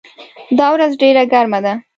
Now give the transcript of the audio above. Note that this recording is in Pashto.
دا ورځ ډېره ګرمه ده.